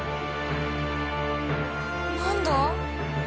何だ？